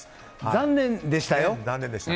残念でしたよ。